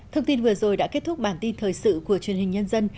thông tin vừa rồi đã kết thúc bản tin thời sự của truyền hình nhân dân